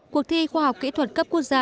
cuộc thi khoa học kỹ thuật cấp quốc gia